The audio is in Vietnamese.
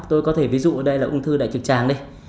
tôi có thể ví dụ đây là ung thư đại trực tràng